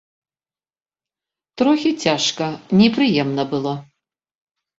Трохі цяжка, непрыемна было.